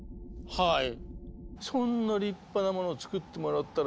はい。